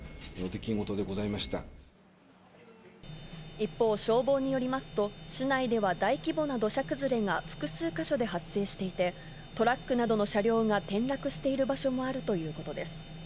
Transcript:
一方、消防によりますと、市内では大規模な土砂崩れが複数か所で発生していて、トラックなどの車両が転落している場所もあるということです。